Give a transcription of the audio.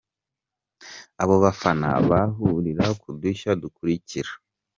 Abo bafana bahurira ku dushya dukurikira.